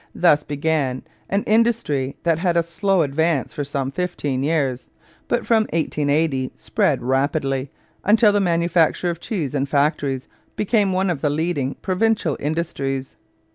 Thus began an industry that had a slow advance for some fifteen years, but from 1880 spread rapidly, until the manufacture of cheese in factories became one of the leading provincial industries.